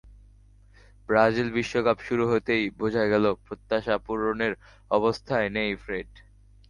Brazil বিশ্বকাপ শুরু হতেই বোঝা গেল, প্রত্যাশা পূরণের অবস্থায় নেই ফ্রেড।